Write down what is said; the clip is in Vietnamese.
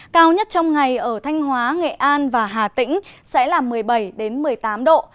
cao nhất trong ngày ở thanh hóa nghệ an và hà tĩnh sẽ là một mươi bảy một mươi tám độ